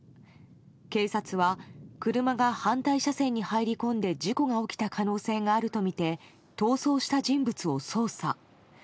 警察は車が反対車線に入り込んで事故が起きた可能性があるとみて逃走した人物を捜査。